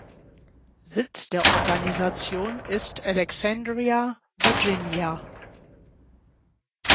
Sitz der Organisation ist Alexandria, Virginia.